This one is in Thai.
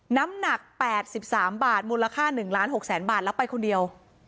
น้ำหนัก๘๓บาทมูลค่า๑ล้าน๖แสนบาทแล้วไปคนเดียว